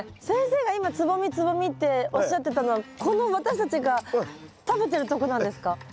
先生が今蕾蕾っておっしゃってたのはこの私たちが食べてるとこなんですか？